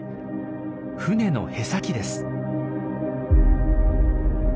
船のへさきです。